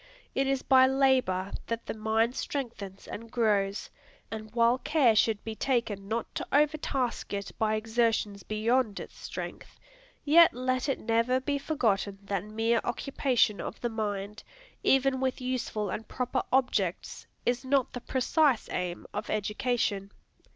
It is by labor that the mind strengthens and grows: and while care should be taken not to overtask it by exertions beyond its strength, yet let it never be forgotten that mere occupation of the mind, even with useful and proper objects, is not the precise aim of education.